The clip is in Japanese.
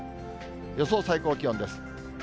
予想最高気温です。